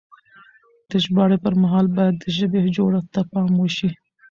د ژباړې پر مهال بايد د ژبې جوړښت ته پام وشي.